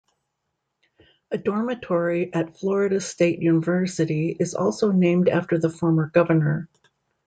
A dormitory at Florida State University is also named after the former governor.